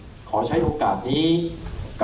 และการแสดงสมบัติของแคนดิเดตนายกนะครับ